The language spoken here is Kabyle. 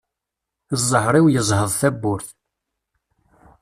Ẓẓher-iw yeẓheḍ tabburt.